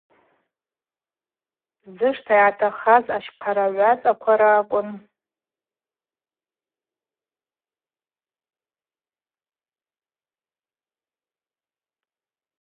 Зышта йгӏатахаз ащхъарауагӏвацаква ракӏвын.